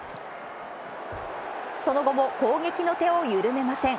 その後も攻撃の手を緩めません。